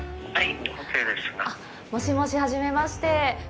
もしもし、初めまして。